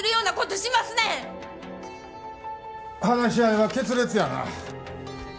話し合いは決裂やな。